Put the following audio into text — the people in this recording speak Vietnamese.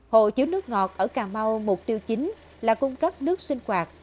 hồ chứa nước ngọt ở cà mau mục tiêu chính là cung cấp nước sinh hoạt